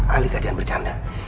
alika jangan bercanda